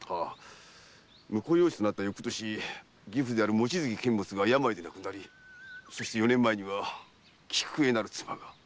婿養子となった翌年義父である望月監物が病で亡くなりそして四年前には菊絵なる妻が。